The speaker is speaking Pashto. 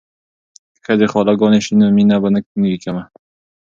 که ښځې خاله ګانې شي نو مینه به نه وي کمه.